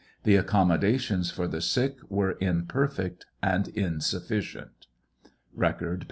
The accommodations for the sick were imperfect and insufficient. (Record, pp.